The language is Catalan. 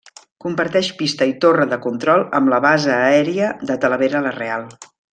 Comparteix pista i torre de control amb la Base Aèria de Talavera la Real.